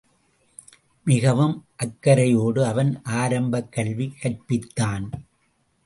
மிகவும் அக்கரையோடு அவன் ஆரம்பக் கல்வி கற்பித் தான்.